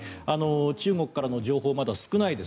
中国からの情報まだ少ないです。